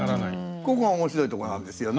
ここが面白いとこなんですよね。